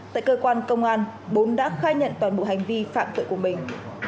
tại cơ quan công an bốn đã khai nhận toàn bộ hành vi phạm tội của mình